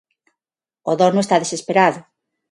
O dono está desesperado.